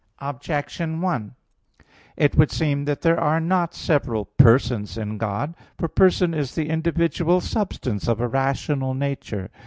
Objection 1: It would seem that there are not several persons in God. For person is "the individual substance of a rational nature."